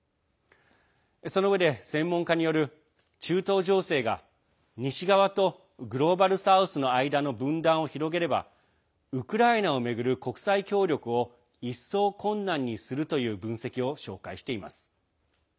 そのうえで専門家による中東情勢が西側とグローバル・サウスの間の分断を広げればウクライナを巡る国際協力を一層、困難にするという分析を紹介しています。